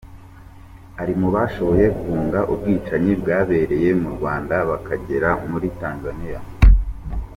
Ari mu bashoboye guhunga ubwicanyi bwaberaga mu Rwanda bakagera muri Tanzania.